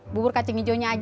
bubur kacing hijaunya aja